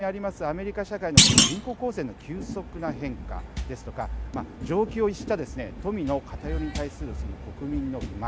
その根本にありますアメリカ社会の人口構成の急速な変化ですとか常軌を逸した富の偏りに対する国民の不満。